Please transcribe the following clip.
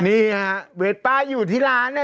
นี่ฮะเวสป้าอยู่ที่ร้านเนี่ย